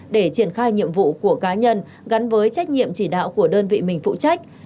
để triển khai nhiệm vụ của cá nhân gắn với trách nhiệm chỉ đạo của đơn vị mình phụ trách